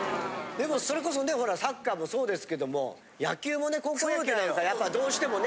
でもそれこそねほらサッカーもそうですけども野球もね高校野球なんかやっぱどうしてもね。